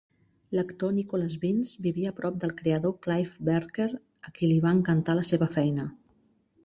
L'actor Nicolas Vince vivia a prop del creador Clive Barker, a qui li va encantar la seva feina.